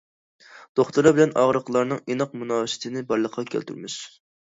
دوختۇرلار بىلەن ئاغرىقلارنىڭ ئىناق مۇناسىۋىتىنى بارلىققا كەلتۈرىمىز.